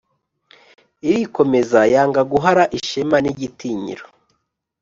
irikomeza yanga guhara ishema n'igitinyiro